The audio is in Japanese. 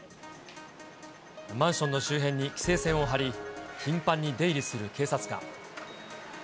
マンションの周辺に規制線を張り、頻繁に出入りする警察官。